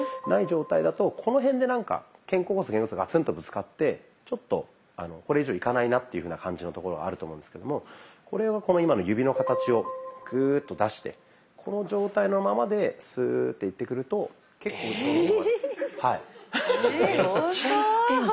ない状態だとこの辺で肩甲骨と肩甲骨がガツンとぶつかってちょっとこれ以上いかないなっていうふうな感じのところがあると思うんですけどもこれを今の指の形をグーッと出してこの状態のままでスーッていってくると結構後ろの方まで。